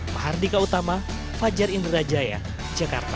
mahardika utama fajar indrajaya jakarta